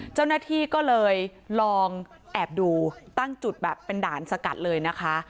เจ้าหน้าที่ก็เลยลองแอบดูตั้งจุดแบบเป็นด่านสกัดเลยนะคะ